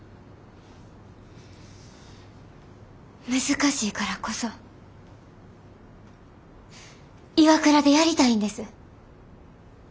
難しいからこそＩＷＡＫＵＲＡでやりたいんです。